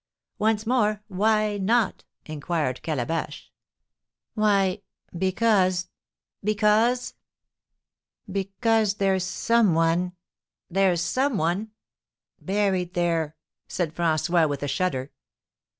"Once more why not?" inquired Calabash. "Why, because " "Because ?" "Because there's some one " "There's some one " "Buried there!" said François, with a shudder.